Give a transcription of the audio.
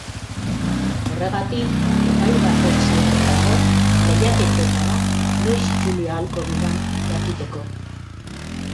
Horregatik, epai baten zain dago lehiaketetara noiz itzuli ahalko dudan jakiteko.